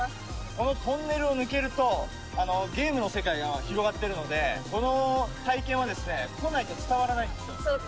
このトンネルを抜けるとゲームの世界が広がってるのでこの体験はですね来ないと伝わらないんですよ。